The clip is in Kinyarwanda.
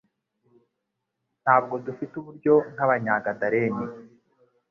Ntabwo dufite uburyo nk'Abanyagadaleni,